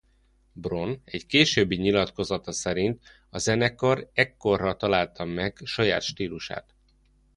Bron egy későbbi nyilatkozata szerint a zenekar ekkorra találta meg saját stílusát.